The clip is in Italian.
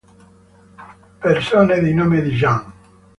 Persone di nome Dejan